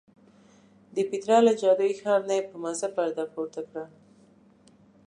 د پیترا له جادویي ښار نه یې په مزه پرده پورته کړه.